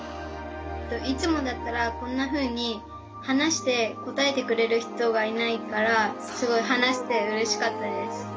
いつもだったらこんなふうに話して答えてくれる人がいないからすごい話してうれしかったです。